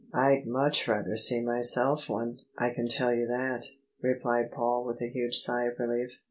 " I'd much rather see myself one, I can tell you that," replied Paul with a huge sigh of relief.